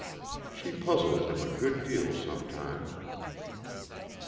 She puzzled him a good deal, sometimes.